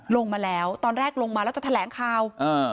ลงมาแล้วตอนแรกลงมาแล้วจะแถลงข่าว